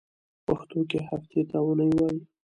په پښتو کې هفتې ته اونۍ وایی.